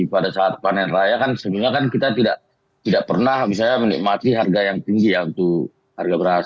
pada saat panen raya kan sebenarnya kita tidak pernah menikmati harga yang tinggi untuk harga beras